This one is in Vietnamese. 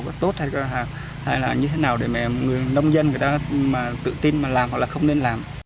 có tốt hay là như thế nào để mà người nông dân người ta tự tin mà làm hoặc là không nên làm